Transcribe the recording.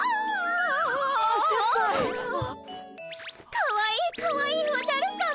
かわいいかわいいおじゃるさま。